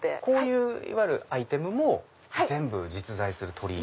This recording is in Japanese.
こういういわゆるアイテムも全部実在する鳥？